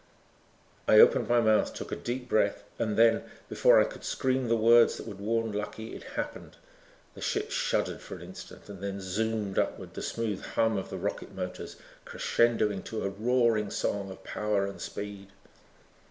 I opened my mouth, took a deep breath and then, before I could scream the words that would warn Lucky, it happened. The ship shuddered for an instant and then zoomed upward, the smooth hum of the rocket motors crescendoing to a roaring song of power and speed.